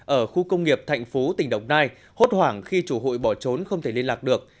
ở khu công nghiệp thạnh phú tỉnh đồng nai hốt hoảng khi chủ hụi bỏ trốn không thể liên lạc được